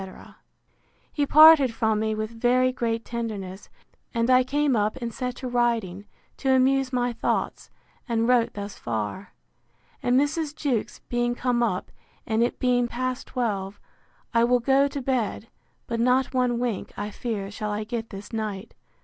He parted from me with very great tenderness; and I came up and set to writing, to amuse my thoughts, and wrote thus far. And Mrs. Jewkes being come up, and it being past twelve, I will go to bed; but not one wink, I fear, shall I get this night.